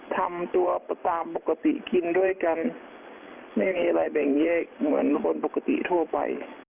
ทำตัวตามปกติกินด้วยกันไม่มีอะไรแบ่งแยกเหมือนคนปกติทั่วไป